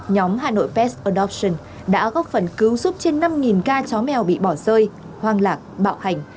nhóm hà nội pest odofton đã góp phần cứu giúp trên năm ca chó mèo bị bỏ rơi hoang lạc bạo hành